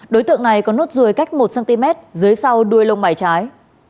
đối tượng này có nốt ruồi cách một cm dưới sau đuôi lông mảy trái